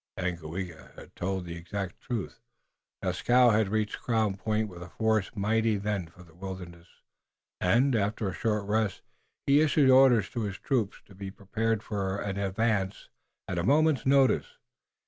Daganoweda had told the exact truth. Dieskau had reached Crown Point with a force mighty then for the wilderness, and, after a short rest, he issued orders to his troops to be prepared for advance at a moment's notice.